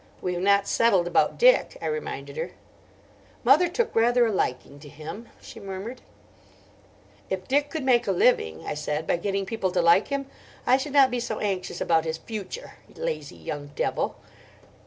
"We have not settled about Dick," I reminded her. "Mother took rather a liking to him," she murmured. "If Dick could make a living," I said, "by getting people to like him, I should not be so anxious about his future—lazy young devil!"